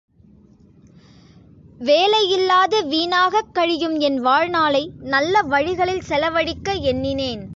வேலையில்லாது வீணாகக் கழியும் என் வாழ்நாளை நல்ல வழிகளில் செலவழிக்க எண்ணினேன்.